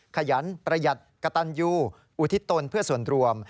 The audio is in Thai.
ขยันประหยัดกระตันยูอุทิศตนเพื่อส่วนรวม